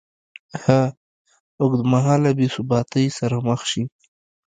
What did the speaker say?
ه اوږدمهاله بېثباتۍ سره مخ شي